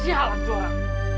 sialan tuh orang